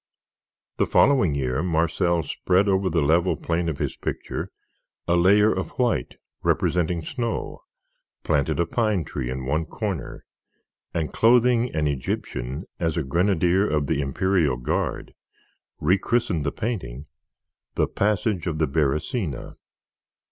The following year, Marcel spread over the level plane of his picture a layer of white representing snow, planted a pine tree in one corner, and clothing an Egyptian as a grenadier of the Imperial Guard, rechristened the painting the "Passage of the Beresina."